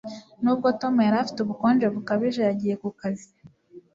Nubwo Tom yari afite ubukonje bukabije, yagiye ku kazi.